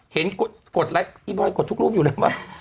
เห็นกดไลค์อีบอยกดทุกรูปอยู่เนาะ